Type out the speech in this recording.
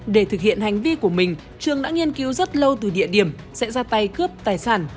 để thực hiện hành vi của mình trường đã nghiên cứu rất lâu từ địa điểm sẽ ra tay cướp tài sản